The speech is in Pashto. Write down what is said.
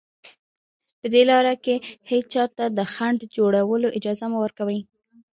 په دې لاره کې هېچا ته د خنډ جوړولو اجازه مه ورکوئ